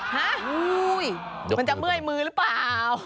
ฮะมันจะเมื่อยมือหรือเปล่า